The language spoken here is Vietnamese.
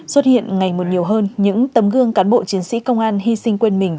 xuất hiện ngày một nhiều hơn những tấm gương cán bộ chiến sĩ công an hy sinh quên mình